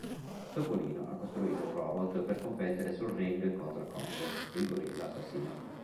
Topolino ha costruito un robot per competere sul ring contro Kongo, il gorilla assassino.